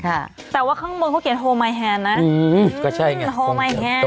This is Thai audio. ค่ะแต่ว่าข้างบนเขาเขียนนะอืมก็ใช่ไงอืม